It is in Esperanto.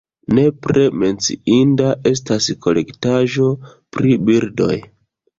Nepre menciinda estas kolektaĵo pri birdoj.